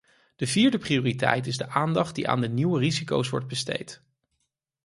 De vierde prioriteit is de aandacht die aan de nieuwe risico's wordt besteed.